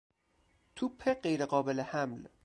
توپ غیر قابل حمل